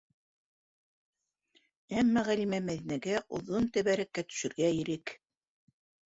Әммә Ғәлимә Мәҙинәгә оҙон тәбәрәккә төшөргә ирек